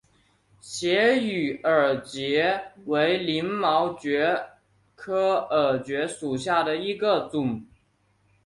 斜羽耳蕨为鳞毛蕨科耳蕨属下的一个种。